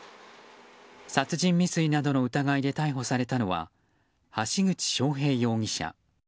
殺人未遂などの疑いで逮捕されたのは橋口詳平容疑者。